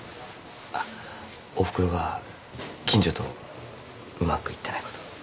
あっおふくろが近所とうまくいってないこと。